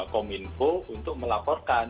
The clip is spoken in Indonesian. kominfo untuk melaporkan